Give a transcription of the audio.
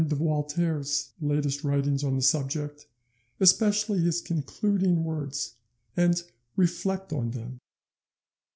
de Voltaire's latest writings on the subject, especially his concluding words, and reflect on them."